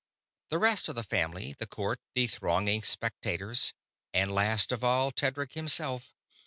The rest of the Family the Court the thronging spectators and, last of all, Tedric himself.